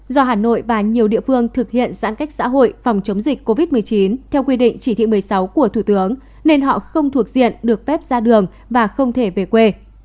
do hà nội và nhiều địa phương thực hiện giãn cách xã hội phòng chống dịch covid một mươi chín theo quy định chỉ thị một mươi sáu của thủ tướng nên họ không thuộc diện được phép ra đường và không thể về quê